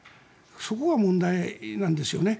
そこが問題なんですよね。